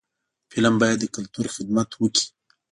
فلم باید د کلتور خدمت وکړي